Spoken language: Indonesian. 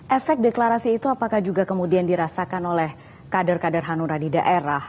efek deklarasi itu apakah juga kemudian dirasakan oleh kader kader hanura di daerah